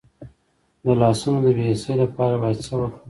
د لاسونو د بې حسی لپاره باید څه وکړم؟